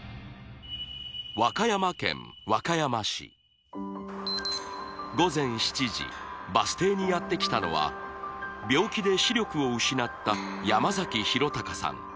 和歌山県和歌山市午前７時バス停にやってきたのは病気で視力を失った山崎浩敬さん